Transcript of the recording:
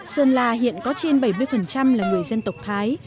sơn la hiện có trên bảy mươi là người dân tộc thái